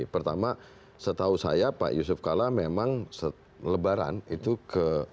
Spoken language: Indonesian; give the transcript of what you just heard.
pertama setahu saya pak yusuf kalla memang lebaran itu ke